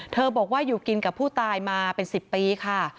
บอกว่าอยู่กินกับผู้ตายมาเป็น๑๐ปีค่ะ